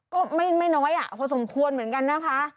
ก็ไม่ไม่น้อยอ่ะเพราะสมควรเหมือนกันนะคะ